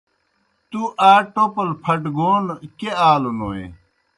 تُوْ آ ٹوپل پھٹگون کیْہ آلوْنوئے؟